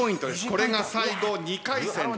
これが最後２回戦です。